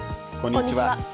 こんにちは。